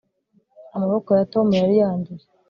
amaboko ya tom yari yanduye